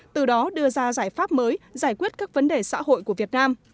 từ đó đưa ra giải pháp mới giải quyết các vấn đề xã hội của việt nam